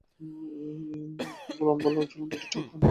ফুল লম্বা ঝুলন্ত ডাঁটায় এক বা একাধিক।